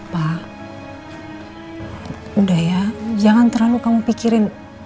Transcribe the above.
pak udah ya jangan terlalu kamu pikirin